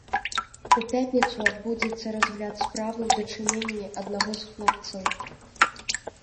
У пятніцу адбудзецца разгляд справы ў дачыненні аднаго з хлопцаў.